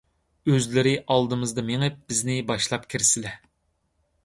ئۆزلىرى ئالدىمىزدا مېڭىپ بىزنى باشلاپ كىرىسلە.